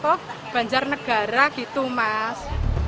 ke banjarnegara gitu mas